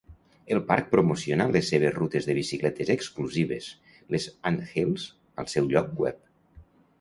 El parc promociona les seves rutes de bicicletes exclusives, les "Anthills", al seu lloc web.